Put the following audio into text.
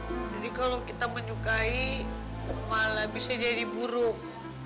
jadi kalau kita menyukai malah bisa jadi buruk